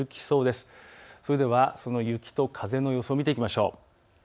それではその雪と風の予想を見ていきましょう。